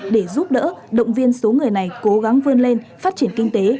để giúp đỡ động viên số người này cố gắng vươn lên phát triển kinh tế